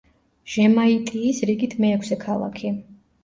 ჟემაიტიის რიგით მეექვსე ქალაქი.